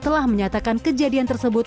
telah menyatakan kejadian tersebut